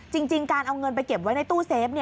จริงการเอาเงินไปเก็บไว้ในตู้เซฟ